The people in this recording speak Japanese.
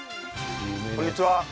こんにちは。